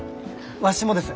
わしもです。